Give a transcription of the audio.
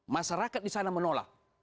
masyarakat di sana menolak